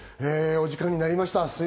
お時間になりました。